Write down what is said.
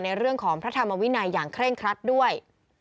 ในเรื่องของพระธรรมวินัยอย่างเคร่งครัดด้วย